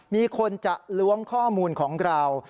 มีคนจะล้วงข้อมูลของเรา